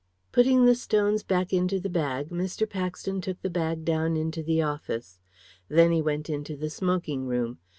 Putting the stones back into the bag, Mr. Paxton took the bag down into the office. Then he went into the smoking room.